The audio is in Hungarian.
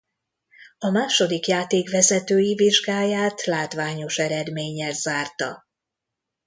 A második játékvezetői vizsgáját látványos eredménnyel zárta.